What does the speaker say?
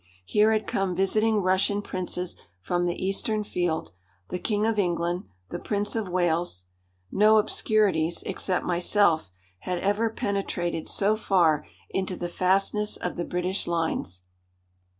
Here had come visiting Russian princes from the eastern field, the King of England, the Prince of Wales. No obscurities except myself had ever penetrated so far into the fastness of the British lines.